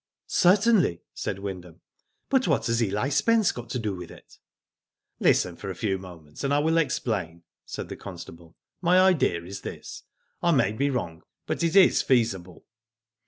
" Certainly," said Wyndham ;" but what has Eli Spence got to do with it ?"" Listen for a few moments, and I will explain," said the constable. '* My idea is this. I may be wrong, but it is feasible.